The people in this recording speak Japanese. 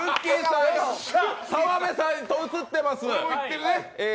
澤部さんと写ってます。